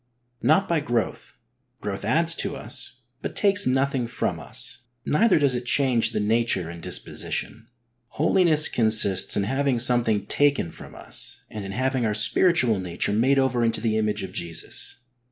Not by growth. Growth adds to us, but takes nothing from iis, neither does it change the nature and disposition. Holiness consists in having something taken from us and in having our spiritual nature made over into the image of Jesus.